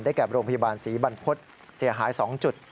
แก่โรงพยาบาลศรีบรรพฤษเสียหาย๒จุด